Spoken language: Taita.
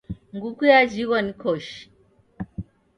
Nguku yajighwa ni koshi